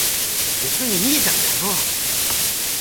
別にいいじゃんかよ。